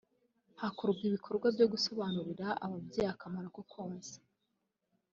hakorwa ibikorwa byo gusobanurira ababyeyi akamaro ko konsa